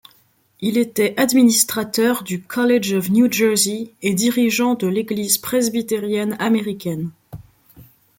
Il était administrateur du College of New Jersey et dirigeant de l'Église presbytérienne américaine.